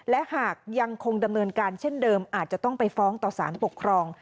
และหากยังคงดำเนินการเช่นเดิมอาจจะต้องไปฟ้องต่อสารปกครอง